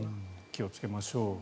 気をつけましょう。